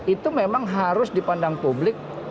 itu memang harus dipandang publik